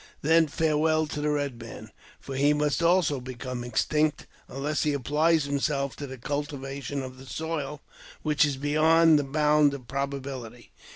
Then farewell to the Eed Man ! for he must also become extinct, unless he applies him self to the cultivation of the soil, which is beyond the bound of probabiUty.